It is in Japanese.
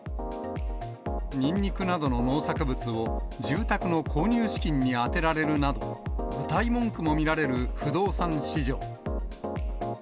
ニンニクなどの農作物を住宅の購入資金に充てられるなど、うたい文句も見られる不動産市場。